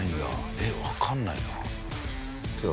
えっわかんないな。